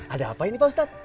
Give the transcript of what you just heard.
ada apa ini pak ustadz